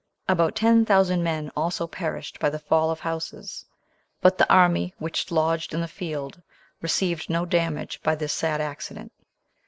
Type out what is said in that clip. About ten thousand men also perished by the fall of houses; but the army, which lodged in the field, received no damage by this sad accident.